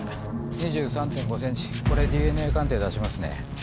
２３．５ｃｍこれＤＮＡ鑑定出しますね。